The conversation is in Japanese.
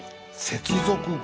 接続語。